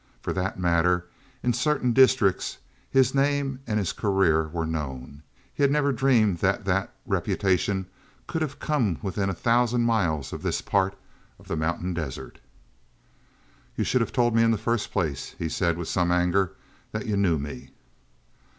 For that matter, in certain districts his name and his career were known. He had never dreamed that that reputation could have come within a thousand miles of this part of the mountain desert. "You should have told me in the first place," he said with some anger, "that you knew me."